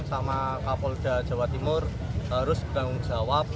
sama kapolda jawa timur harus bertanggung jawab